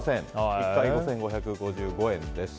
１回５５５５円です。